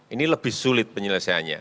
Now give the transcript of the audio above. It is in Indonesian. ini lebih sulit penyelesaiannya